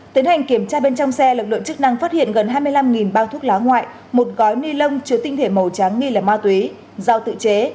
tiến hành kiểm tra bên trong xe lực lượng chức năng phát hiện gần hai mươi năm bao thuốc lá ngoại một gói ni lông chứa tinh thể màu trắng nghi là ma túy dao tự chế